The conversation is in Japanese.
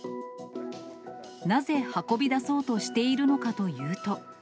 なぜ、運び出そうとしているのかというと。